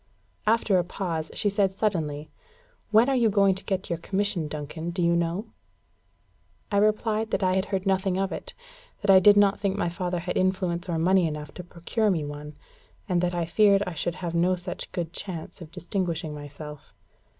After a pause, she said suddenly: "When are you going to get your commission, Duncan, do you know?" I replied that I had heard nothing of it; that I did not think my father had influence or money enough to procure me one, and that I feared I should have no such good chance of distinguishing myself.